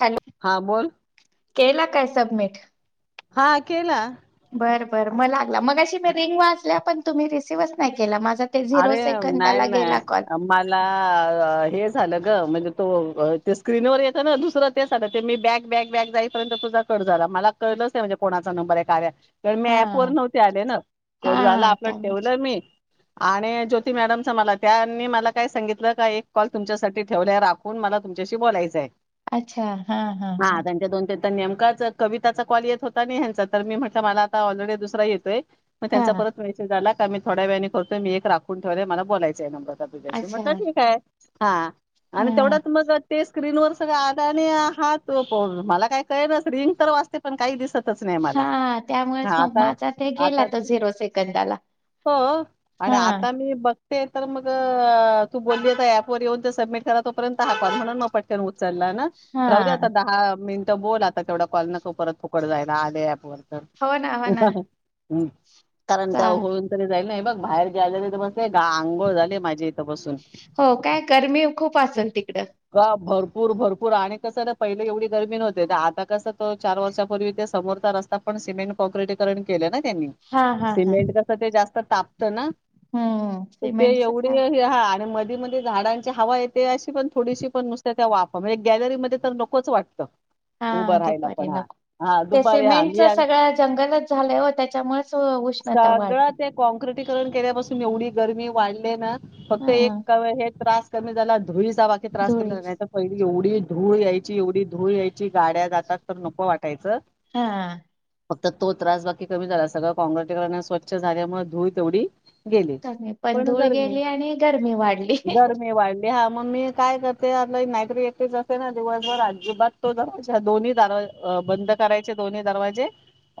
Hello हा बोल. केला काय सबमिट? हा केला. बर बरं मला लागला मग अशी मी रिंग वाजल्या पण तुम्ही रिसीव्हच नाही केला माझ अरे अ नाही नाही मला हे झालं म्हणजे तो ते स्क्रीन वर येत ना दुसरं ते आ ते मी बॅग बॅग बॅग जाईपर्यंत तुझा कट झाला. मला कळलंच आहे म्हणजे कोणाचा नंबर आहे का्या तरण मी हा ऍप वर नव्हते आले ना कड झालं हा आपलं त्यामुळेच ठेवलं मी. आणि ज्योती मॅडमचा मला त्यांनी मला काय सांगितलं का एक कॉल तुमच्यासाठी ठेवला राखून मला त च्याशी बोलायचं आहे. अच्छा हा हा हा त्यांच्या दोन ते तर नेमकाच कविताचा कॉल येत होता ना ह्यांचा तर मी म्हटलं मला आता ऑलरेडी दुसरा येतोय, मग त्यांचा हा परत विैषय झाला का मी थोड्या वेळाने करतोय मी एक राखून ठेवले मला बलायचं आहे नंबर. अच्छा म्हटलं ठीक आहे हा आणि हा तेवढंच मग ते स्क्रीन वर सगळं आदाने आहात प मला काय कळेल रिंग तर वाचते पण काही दिसत. नाही मला हा ह त्यामुळेच मग आता माझा ते गेला आता तो झिरो सेकंदाला हो. हा आणि आता मी बघ ते तर मग तू बोलली ऍपवर येऊन ते सबमिट करा तोपर्यंत हवाल म्हणून न पटते. चचाला ना राह दे आता हा दहा मिनिटं बोल आता तेवढा कॉल नको परत फुकड जायला आले पवर हो ना हो ना हम कारण चा त्या होऊन तरी जाईल नाही बघ बाहेर गेयलं त तर मस्त का आंघोळ झाले माझे इथ बसून हो काय गरमी खूप असेल तिकडं का भरूर र पूर भरपूर आणि कसं ना पहिले एवढी गर्मी न होते आता कसं तो चार वर्षापूर्वी ते समोरता रस्ता पण समेंट पटीकरण केलं ना त्यांनी हा हा हा सिमेंट कसं ते जास्त तापत ना हम्म तर ते सिमेंटच एवढी काय ह हा आणि मज झाडांची हवा येते, अशी पण थोडीशी पण नुसत्या वाफ म्हणजे गॅलरीमध्ये तर नकोच वाटत. हा दुपारी नको ते दुपारी हा सिमेंटच मी आणि- सगळं जंगलच झालं हो त्याच्यामुळे सगळं ते काँग अतिक्रमन केल्या पासून एवढी गर्मी वाढली आहे ना, फक्त एक हा [inaudible] त्रास कमी झालाय धुळी त्रास के धुळीच नाही पहिली एवढी धूळ यायची एवढी धूळ यायची गाड्या जातात तर नकं वाटायचं. हा फक्त तो त्रास बाकी कमी झाला सगळं काँग्रेसिक स्वच्छ झाल्यामुळे धूळ तेवढी गेली कमी पण धूळ गरमी गेली आणि गरमी वाढली. गरमी वाढली. ह मग मी काय करते आला नातरी एकटच असते ना दिवसभर अजिबात तो दोन्ही ार बंद करायचे दोन्ही दरवाजे,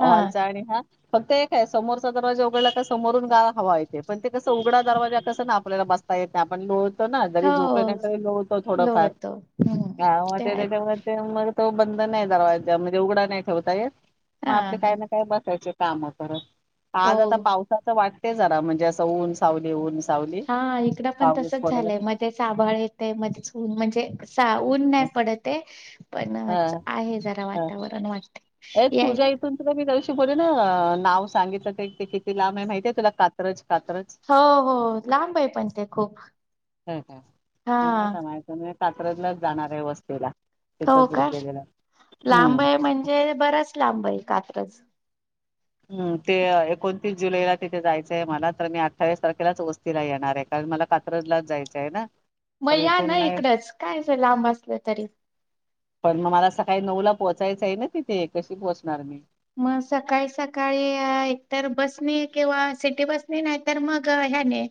हा ालचा आणि हा फक्त एकय समोरचा दरवाजा उघडला का समोरून हवा येते पण ते कस उघडा दरवाजा कसं ना आपल्याला बसता येत नाही आपण लो जरी झोपतो हो नाही तरी लोळतो थोडफार लोळतो हम्म ते त्याच्यामध्ये आहे तो बंद नाही दरवाजा म्हणजे उघडा नाही ठेवता येत मग हा आपले काय ना काय बसायचे. काम करत आज आता हो. पावसाचं वाटते जरा म्हणजे असं ऊन सावली ऊन सावली हा इकडं पण पाऊस तसच पडेल झालंय असं. मध्ये च आभाळ येते मध्येच ऊन म्हणजे सा ऊन नाही पडते पण हा आहे जरा हा वातावरण वाटतय. ए तुझ्या यायला. इथून तुला बोलले ना नाव सांगितलं किती लांब माहितीय तुला कात्रज? कात्रज हो हो लांब आहे पण ते खूप हा कात्रज ला जाणार आहे वस्तीला. हो तिथंच काय गेलेलं लांब हम्म आहे म्हणजे बराच लांब आहे कात्रज. हम् ते एकोणतीस जुलैला तिथे जायचंय मला तर मी अठ्ठावीस तारखेलाच वस्तीला येणार आहे का मला कात्रजलाच जायचं आहे ना. मग तर या ना इथून नाही इकडंच कायच लांब असलं तरी. पण मग मला सकाळी नऊ ला पोहोचायचं आहे ना तिथे कशी पोहोचणार मी? मग सकाळी सकाळी एक तरर बसनी किंवा सिटी बस नी नाही तर मग ह्याने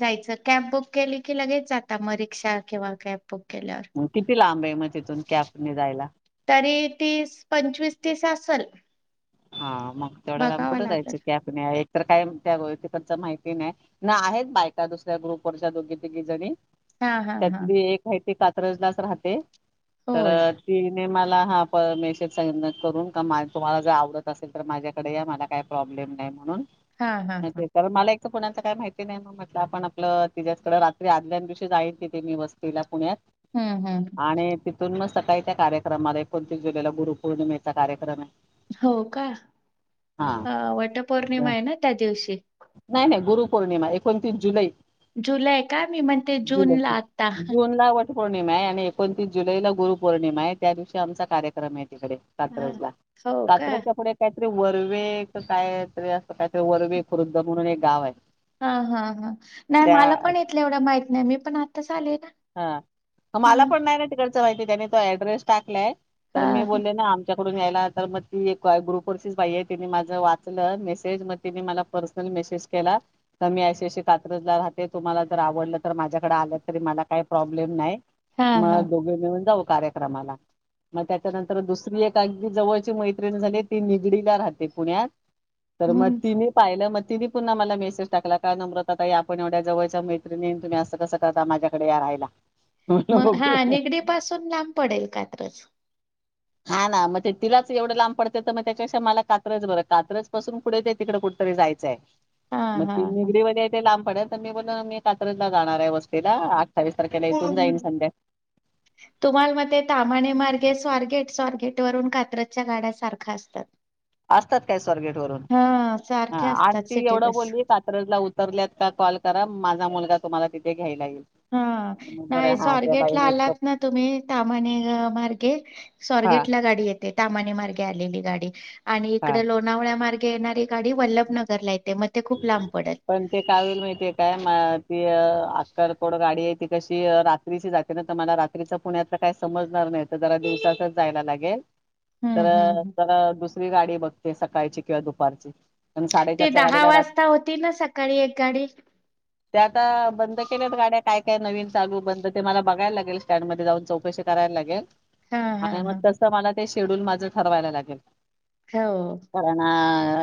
जायच. कॅब बुक केली की लगेच जात मग रिक्षा किंवा कॅब. बुक केल्यावर. मग किती लांब आहे मग तिथून कॅब ने जायला? तरी तीस पंचवीस तीस असल. हा मग तेवढ्या लाम बघावं कुठं लागेल जायचं कॅब ने. तर काय तिकडच माहिती नाही. ना आहेत बायका दुसऱ्या ग्रुपवरच्या दोघी तिघी जणी. हा हा हा. त्यातली एक आहे ते कात्रजलाच राहते तर होय ती मला हा प मेसेज करून का तुम्हाला जर आवडत असेल तर माझ्याकडे या मला काही प्रॉब्लेम नाही म्हणून. हा हा हा. पुण्यातला काय माहिती नाही मग म्हटलं आपण आपलं तिच्याचकडें रात्री आदल्या दिवशी जाईन तिथे मी वस्तीला पुण्यात हम्म हम्म. आणि तिथून मग सकाळी त्या कार्यक्रमाला एकोणतीस जुलैला गुरुपौर्णिमेचा कार्यक्रम आहे हो का हा वटपौर्णिमा आहे ना त्या दिवशी. पौर्णिमा एकोणतीस जुलै. जुलै काय मी म्हणते जून ला आता. गुर पौर्णिमा आहे आणि एकोणतीस जुलैला गुरु पौर्णिमा आहे त्या दिवशी आमचा कार्यक्रम आहे. तिकडे हा. कात्रज ला हो का कात्रज काहीतरी वर्वे कायतरी असं काहीतरी वर्वे खुर्द म्हणून एक गाव आहे. हा हा ह नाही त्या मला पण इथलं एवढं माहित नाही मी पण आताच आलेय ना. हा हा मला पण नाही ना तिकडे माहिती त्यांनी तो ऍड्रेस टाकलाय तर मी हा हा बोलले ना आमच्याकडून यायला तर मग ती मा ग्रुप वरची ची बाई आहे. तिने माझं वाचलं मेसेज मग तिने पर्सनल मेसेज केला. अशी अशी कात्रला राहते तुम्हाला जर आवडलं तर माझ्याकडे आल्या तरी मला काही प्रॉब्लेम नाही हा हा मग दोघे मिळून जाऊ. कार्य्रक्रम ला मग त्याच्यानंतर दुसरी एक अगदी जवळची मैत्रीण झालेय ती निगडी ला राहते पुण्यात मग हम्म त पाहिल तिनी पुन्हा मला मेसेज टाकला काय नम्रता ताई या आपण एवढ्या जवळच्या मैत्रीणी तुम्ही असं कसं करता माझ्याकडे या राहियला. मग हा निगडी पासून लांब पडेल कात्रज. हा ना मग ते तिलाच एवढं लांब पडते तर मग त्याच्या मला कात्रज बरं कात्रज पासून कुठे तिकडे कुठं तरी जायचंय. हा मग हा ती हा निगडीमध्ये ते लांब पडल तर मी बोलो मी कात्रला जाणार आहे वस्तीला. अठ्ठावीस तारखेला इथून जाईन संध्या तुम्हाला मते तामाणे मार्गे स्वारगेट स्वारगेस्ट थेट वरून कात्रज च्या गाड्या सारखा असतात. असतात काय स्वारगेट वरून. हा हा सारख्या आणि असतात ती सिटी एवढं बस बोलली कात्रजला उतरल्यात का कॉल करा माझा मुलगा तुम्हाला तिथे घ्यायला येईल हा मग बरं नाही हा त्या सॉरगेट ला बाईने इतकं आलात ना तुम्ही तामाणे मार्गे हा सॉरगेट ला गाडी येते तामाने मार्गे आलेली गाडी आणि हा इकडे लोणावळ्या मार्गे येणारी गाडी वल्लभनगर ला पण ते कावील माहितीय काय अकड गाडी आहे ती कशी रात्रीची जाते ना तर मला रात्रीच पुण्यातलं काय समजणार नाही जरा दिवसाच जायला लागेल हम्म तर हम्म हम्म. जरा दुसरी गाडी बघते सकाळची किंवा दुपारची प ते साडेचारच्या गाडी दहा वाजता होती ना सकाळी एक गाडी ते आता बंद केल्यात गाड्या काय काय नवीन चालू बंद ते मला बघायला लागेल स्टँडमध्येध्ये जाऊन चौकशी कराय हा हा मग हा तस मला ते शेड्यल माझ ठरवायला लागेल हो कार ना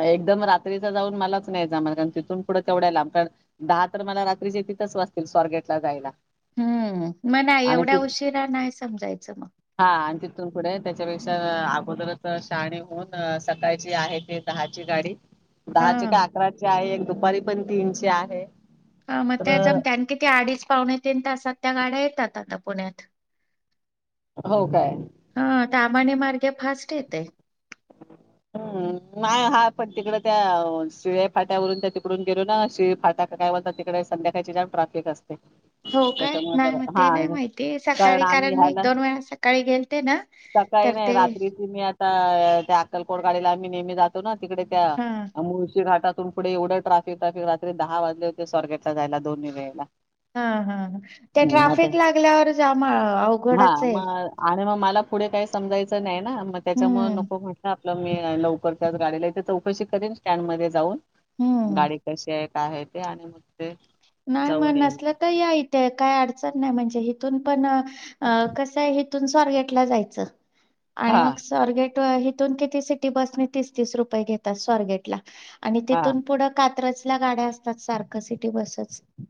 एकदम रात्रीचा जाऊन मला नाहीमला कारण तिथून पुढं तेवढ्या लांब कारण दहा तर मला रात्री जे तिथच वाचतील स्ॉर्गेटला जायला हम्म मग नाही आणि एवढा ति उशिरा नाही समजायचं मग हा आणि तिथून पुढे त्याच्यापेक्षा अगोदरच शाने होऊन सकाळची आहे ते दहा ची गाडी हा दहाचे का अकराचे आहे एक दुपारी पण तीनचे आहे ह मग तर त्या जमते किती अडीच पाहुणे तीन तासात त्या गाड्या येतात आता पुण्यात हो काय हा तामाने मार्गे फास्ट येतय. हम्म नाही, हा पण तिकड त्या शिळे फाट्यावरून त्या तिकडून गेलो ना, शिये फाट्या काय बोलता? तिकडे संध्याकाळची जाम ट्राफिक असते. [inaudible] हो काय? त्याच्यामुळे जरा नाही ते हा नाही माहिती सकाळी, आम्ही कारण मी एक ह्याला दोन वेळा सकाळी गेलते ना? ते नाही रात्रीची मी आल त्या अक्कलकोट गाडीला आम्ही नेहमी जातो ना, तिकडे त्या हा मुळशी घाटात तीथून पुढे एवढं ट्राफिक हाय की, रात्री दहा वाजले होते स्वारगेटला जायला दोन्ही वेळेला हा हा त्या हम्म, मग ते ट्राफिक लागल्यावर जाम हा अवघडच ए. मग आणि मग मला पुढे काही समजायचं नाही ना, म त्याच्यामुळे हम्म नको म्हट म्हनलं मी लवकर त्याच गाडीला येते. चौकशी करेन स्टँड मधे जाऊन हम्म गाडी कशी हाय? काय आहे ते आणि ते नाही मग जाऊन येईल नसलं तर या इथे काही अडचण नाही, म्हणजे हिथून पण अ कसंय हथून स्वारगेटला जायचं आणि हा मग स्वारगेट तिथून किती सी टी बसला तीस -तीस रुपये घेतात, स्वारगेट ला आणि हा तिथून पुढं कात्रज ला गाड्या असतात, सारख सि टी बसचं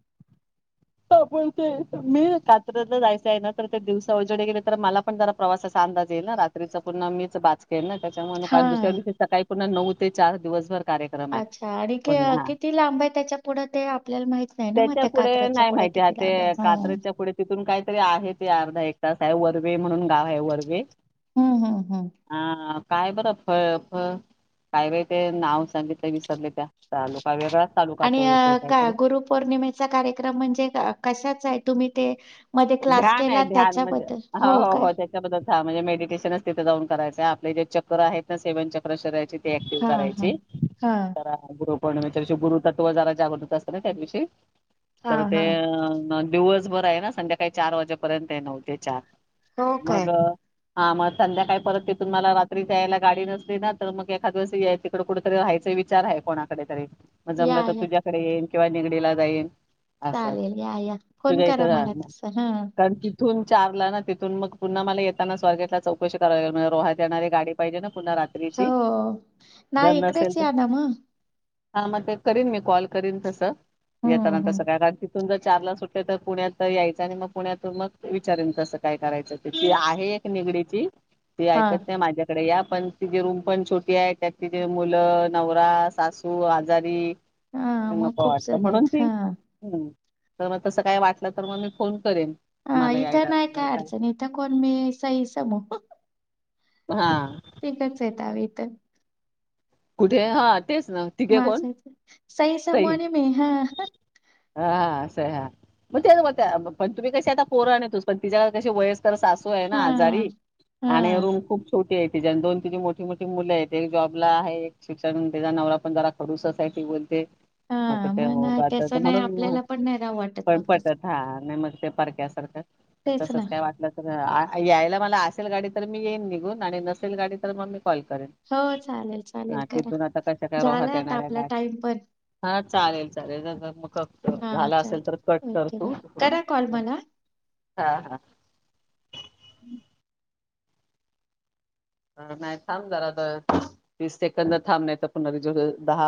ते मी कात्र जायचं आहे ना, तर ते दिवसा उजवडी गेले तर मला पण जरा प्रवासा अंदाज येई ना रात्रीचा पुन्हा मीच [unintelligible] त्याच्या मुळे हा दुसऱ्या दिवशी सकाळी पून्हा नऊ ते चार दिवसभर कार्यक्रम आहे अच्छा! आणि पुन्हा हा किती लांब आहे त्याच्या पुढं ते आपल्याला माहित नाही ना म त्याच्या त्या पुढे कात्रच्या नाही माहिती हाय ते कात्रच्या पुढे तिथून काहीतरी आहे ते अर्धा एक तास आहे वरगे म्हणून गाव आहे वरगे हम्म हम्म हम्म हा. काय बरं फळ फळ काय बाय ते नाव सांगितलं विसरले त्या तालुका वेगळाच तालुका आणि तो येतोय का काहीतरी गुरु पौर्णिमेचा कार्यक्रम म्हणजे कशाच आहे तुम्ही ते मध्ये क्लास ध्यान आहे केला ध्यान म्हण त्याच्याबद्दल हो हो काय हो त्याच्याबद्दल म्हणजे मेडिटेशन. तिथे जाऊन करायचय आपले जे चक्र आहेत, ना सेवन चक्र शरीराचे ऍक्टिव्ह हा हा करायची हा तर असं ग्रुप पौर्णमेच्या दिवशी गुरु तत्व जरा जागृत असत ना, त्या दिवशी हा तर ते हा दिवस बरं आहे ना संध्याकाळी चार वाजेपर्यंत आहे नऊ ते चार हो काय मग हा मग संध्याकाळी परत तिथून मला रात्री जायला गाडी नसली ना, तर मग एखादिवस तिकडे कुठेतरी राहायचं. विचार आहे कोणाकडे तरी म या जमलं तर या तुझ्याकडे येईन किंवा निगडीला जाईन. असं चालेल या या फोन तुझ्या करा मला इथं तस हा. कारण तिथून चारला ना तिथून मग पुन्हा मला येताना स्वारगेटला चौकशी करावी लागणार [unintelligible] येणारी गाडी पाहिजे ना. पुन्हा हो रात्रीची जर नाही नसेल इकडेच तर या ना मग हा मग ते करीन मी कॉल करीन तसं, येताना हम्म हम्म तसा काय तुमचा चार ला सुट्टते तर पुण्यात अ यायचं आणि मग पुण्यातून मग विचारेन कसं काय करायचं ती, ती आहे एक निगडीची. ती हा ऐकत नाही, माझ्याकडे या पण तिचीे रूम पण छोटी आहे त्यात तिचे मुलं, नवरा, सासू आजारी हा मग नको खूप वाटतं, जण म्हणून आहेत ती हा हम्म. तर मग तसं काय वाटलं तर मग मी फोन करेन. हा, मला इथं यायला नाही जर काय अडचण इथं कोण मी सई, समू. हा तिघंच आहेत आम्ही इथं. कुठे? हा. तेच ना, तिघे कोण? माझं इथं. समूह सई आणि मी हा हा स हा. म तेच म्हणत्या पण तुम्ही कसे आता पोरं आणि तूच, पण तिच्या कसे वयस् तर सासू आहे ना हा आजारी आणि हा रूम खूप छो टी आहे तिची, अन दोन तिची मोठी मोठी मुलं आहेत, एक जॉबला आहे शिक्षण आणि तिचा नवरा पण जरा खडूसच आहे ती बोलते. मग हा ते होग नाही त्याचं नाही म्हणून आपल्याला पण नाही राहू वाटत पण मग तसं पटत हा नाही मग ते पार क्यासारखं तेच ना तसंच काय वाट आ यायला मला. न गाडी तर मी येईन निघून आणि नसेल गाडी तर मग. कॉल करेन हो चालेल चालेल हा करा तिथून आता कशा काय झाला रोहात आता येणाऱ्या आपला गाड्या टाइम पण. हा चालेल चालेल मग हा झाला असेल चालत तर कट ओके करतू. बाय करा कॉल मला. हा हा. हम्म. नाही थांब जरा तर तीस सेकंदर थांब नाही तर पुनिज दहा.